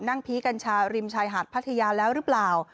พีคกัญชาริมชายหาดพัทยาแล้วหรือเปล่า